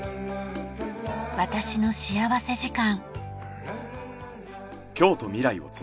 『私の幸福時間』。